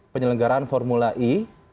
penyelenggaraan formula e